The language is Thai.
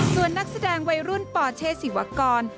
ส่วนนักแสดงวัยรุ่นปเชษศิวกร